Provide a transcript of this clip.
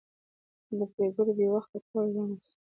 د پرېکړو بې وخته کول زیان رسوي